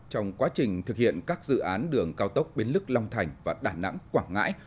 trong quá trình thực hiện các dự án đường cao tốc bến lức long thành và đà nẵng quảng ngãi